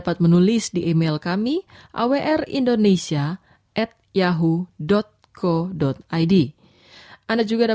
hanya dalam damai tuhan ku ada